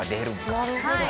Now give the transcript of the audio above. なるほど。